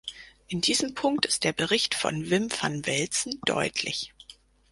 In diesem Punkt ist der Bericht von Wim van Velzen deutlich.